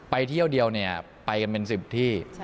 ไปเที่ยวเดียวเนี่ยไปกันเป็น๑๐ที่